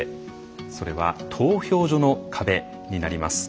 それは投票所の壁になります。